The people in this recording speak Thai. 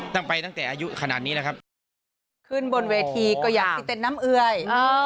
นั่งไปตั้งแต่อายุขนาดนี้แหละครับขึ้นบนเวทีก็อยากสิ้นเต้นน้ำเอ่ยอ๋อ